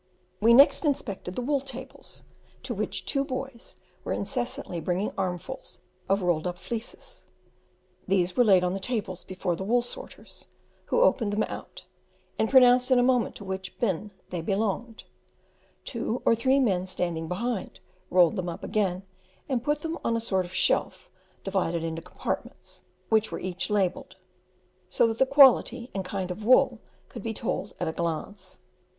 We next inspected the wool tables, to which two boys were incessantly bringing armfuls of rolled up fleeces; these were laid on the tables before the wool sorters, who opened them out, and pronounced in a moment to which bin they belonged; two or three men standing behind rolled them up again rapidly, and put them on a sort of shelf divided into compartments, which were each labelled, so that the quality and kind of wool could be told at a glance.